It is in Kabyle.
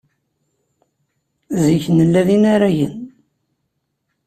Zik nella d inaragen.